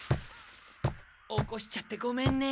起こしちゃってごめんね。